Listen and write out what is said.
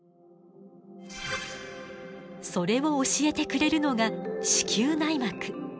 それを教えてくれるのが子宮内膜。